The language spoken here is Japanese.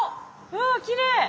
わきれい！